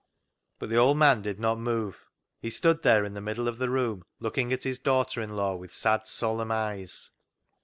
But the old man did not move. He stood there in the middle of the room looking at his daughter in law with sad solemn eyes.